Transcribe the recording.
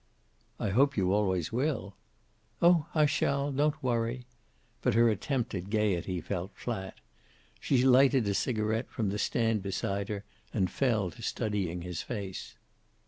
"I hope you always will." "Oh, I shall! Don't worry." But her attempt at gayety fell flat. She lighted a cigaret from the stand beside her and fell to studying his face.